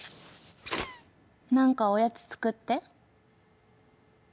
何かおやつ作って。